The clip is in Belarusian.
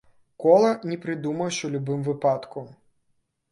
Кола не прыдумаеш у любым выпадку.